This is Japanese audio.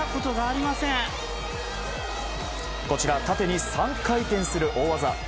縦に３回転する大技